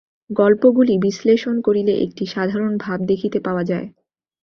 গল্পগুলি বিশ্লেষণ করিলে একটি সাধারণ ভাব দেখিতে পাওয়া যায়।